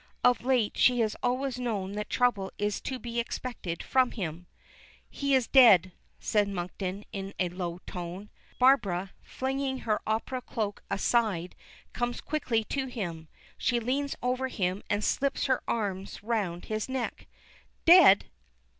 Of late, she has always known that trouble is to be expected from him. "He is dead," says Monkton in a low tone. Barbara, flinging her opera cloak aside, comes quickly to him. She leans over him and slips her arms round his neck. "Dead!"